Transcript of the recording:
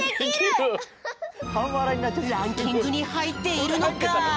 ランキングにはいっているのか？